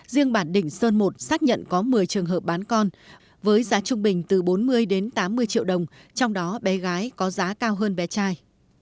riêng bản đỉnh sơn một xác nhận có một mươi trường hợp bán con với giá trung bình từ bốn mươi đến tám mươi triệu đồng trong đó bé gái có giá cao hơn bé trai